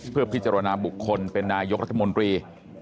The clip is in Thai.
เพื่อพิจารณาบุคคลเป็นนายกรัฐมนตรี